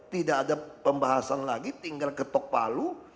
tidak ada pembahasan lagi tinggal ketok palu